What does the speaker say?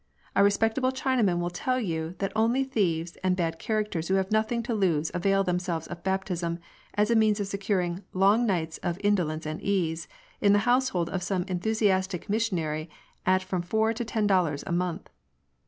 A respectable Chinaman will tell you that only thieves and bad characters who have nothing to lose avail themselves of baptism, as a means of securing " long nights of indolence and ease " in the household of some enthusi: astic missionary at from four to ten dollars a month.